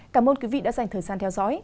cảm ơn quý vị đã dành thời gian theo dõi